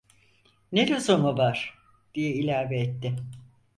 "Ne lüzumu var?" diye ilave etti.